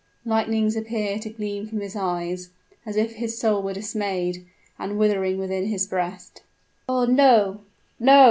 Lightnings appear to gleam from his eyes, as if his soul were dismayed, and withering within his breast. "Oh! no no!"